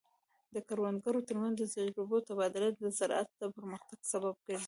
د کروندګرو ترمنځ د تجربو تبادله د زراعت د پرمختګ سبب ګرځي.